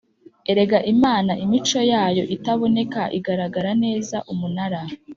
Egera Imana Imico yayo itaboneka igaragara neza Umunara